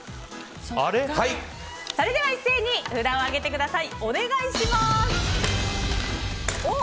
それでは一斉に札を挙げてください。